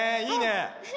いいね！